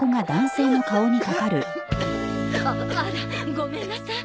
あらごめんなさい。